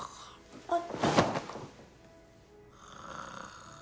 あっ。